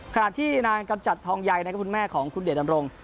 ขณะที่นางกำจัดทองใยนะครับคุณแม่ของคุณเดชดำรง